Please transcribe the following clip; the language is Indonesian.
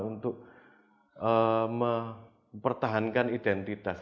untuk mempertahankan identitas